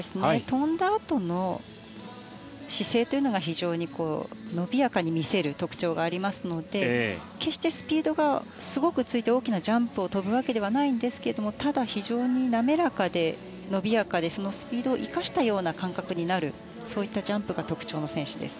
跳んだあとの姿勢が非常に伸びやかに見せる特徴がありますので決してスピードがすごくついて大きなジャンプを跳ぶわけではないんですがただ非常に滑らかで伸びやかで、そのスピードを生かしたような感覚になるそういったジャンプが特徴の選手です。